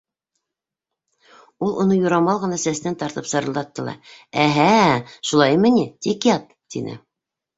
— Ул уны юрамал ғына сәсенән тартып сырылдатты ла: — Әһә, шулаймы ни, тик ят, — тине.